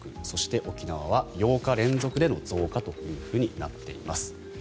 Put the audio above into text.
そして、沖縄は８日連続での増加となっています。